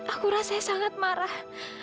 aku rasanya sangat marah